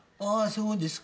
そうですか。